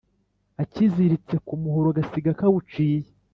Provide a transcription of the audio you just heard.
Akiziritse ku muhoro gasiga kawuciye.